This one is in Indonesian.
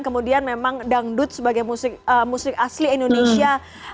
kemudian memang dangdut sebagai musik asli indonesia